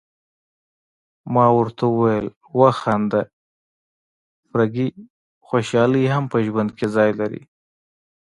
ما ورته وویل: وخانده فرګي، خوشالي هم په ژوند کي ځای لري.